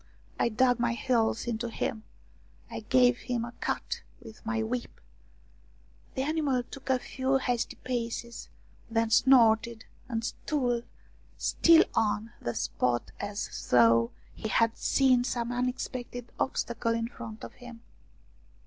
1 dug my heels into him, I gave him a cut with my whip ; the animal took a few hasty paces, then snorted, and stood still on the spot as though he had seen some unexpected obstacle in front of him.